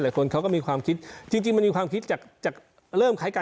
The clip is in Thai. หลายคนเขาก็มีความคิดจริงมันความคิดเริ่มหลายความคิดค่ะ